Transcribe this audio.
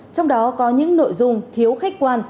trong đó có những nội dung thiếu khách quan